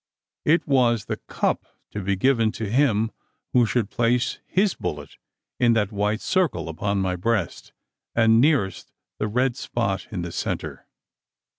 It was the "cup," to be given to him who should place his bullet in that white circle upon my breast, and nearest the red spot in the centre!